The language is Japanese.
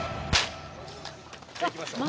じゃあ行きましょう。